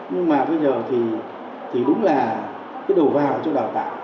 nhưng mà bây giờ thì đúng là cái đầu vào cho đào tạo